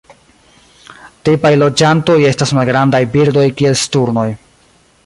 Tipaj loĝantoj estas malgrandaj birdoj kiel sturnoj.